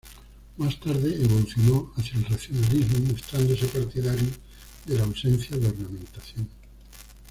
Más tarde evolucionó hacia el Racionalismo mostrándose partidario de la ausencia de ornamentación.